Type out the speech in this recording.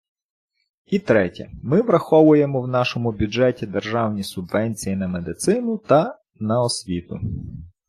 І третє, ми враховуємо в нашому бюджеті державні субвенції на медицину та на освіту.